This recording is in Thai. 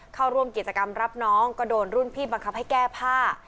เข้าร่วมกิจกรรมรับน้องก็โดนรุ่นพี่บังคับให้แก้ผ้า